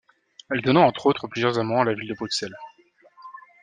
Elle donna entre autres plusieurs ammans à la ville de Bruxelles.